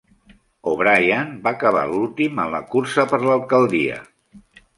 O'Brien va acabar últim en la cursa per l'alcaldia.